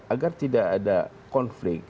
agar tidak ada konflik